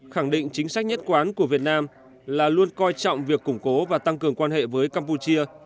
khẳng định chính sách nhất quán của việt nam là luôn coi trọng việc củng cố và tăng cường quan hệ với campuchia